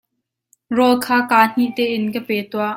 Rawl kha kaa hnih tein ka pe tuah.